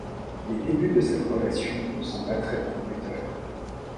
Les débuts de cette relation ne sont pas très prometteurs.